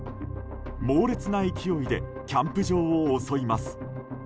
猛烈な勢いでキャンプ場を襲います。